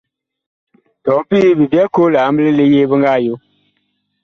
Tɔɔ pii bi byɛɛ koo liamble yee bi nga yo.